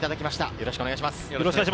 よろしくお願いします。